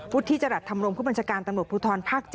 วุฒิจรรย์ธรรมรมผู้บัญชาการตำรวจภูทรภาค๗